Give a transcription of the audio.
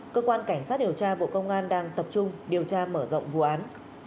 cơ quan cảnh sát điều tra bộ công an đang tập trung điều tra mở rộng vụ án